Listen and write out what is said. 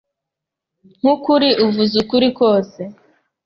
Nkukuri, uvuze ukuri rwose.